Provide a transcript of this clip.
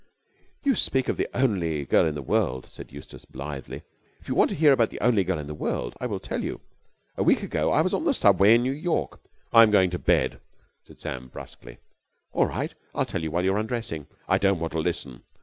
"You speak of the only girl in the world," said Eustace blithely. "If you want to hear about the only girl in the world, I will tell you. A week ago I was in the Subway in New York...." "I'm going to bed," said Sam brusquely. "All right. I'll tell you while you're undressing." "I don't want to listen."